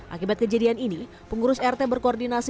akibat kejadian ini pengurus rt berkoordinasi